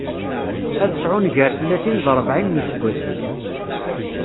Ad sɛun gar tlatin d rebεin n yiseggasen.